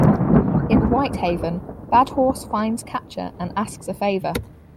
In White Haven, Bad Horse finds Catcher and asks a favor.